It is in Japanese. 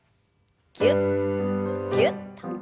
ぎゅっぎゅっと。